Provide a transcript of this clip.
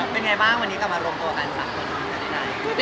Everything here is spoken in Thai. เป็นไงบ้างวันนี้กลับมารวมกับตัวการด้านศักดิ์